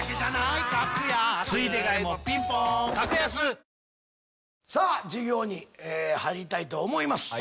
サントリーさあ授業に入りたいと思います。